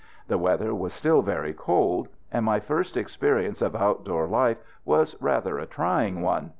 The weather was still very cold, and my first experience of outdoor life was rather a trying one.